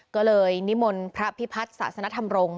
ก็เลยนิมนต์พระพิพัฒน์ศาสนธรรมรงค